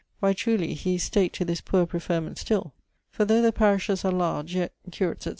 Why, truly, he is stak't to this poor preferment still! For though the parishes are large, yet (curates, etc.